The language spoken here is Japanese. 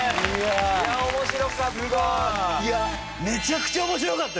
いや面白かった。